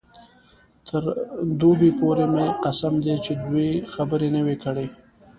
تر دوبۍ پورې مې قسم دی چې دوې خبرې نه وې کړې.